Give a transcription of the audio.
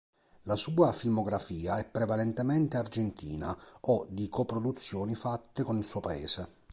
La sua filmografia è prevalentemente argentina o di coproduzioni fatte con il suo paese.